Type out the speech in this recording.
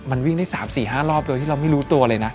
มันวิ่งได้๓๔๕รอบโดยที่เราไม่รู้ตัวเลยนะ